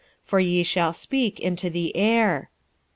for ye shall speak into the air.